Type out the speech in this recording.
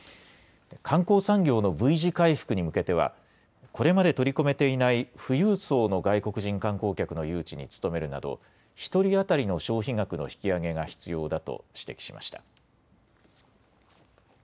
観光産業のＶ字回復に向けてはこれまで取り込めていない富裕層の外国人観光客の誘致に努めるなど１人当たりの消費額の引き上げが必要だと指摘しました。